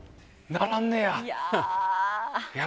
鳴らんねや。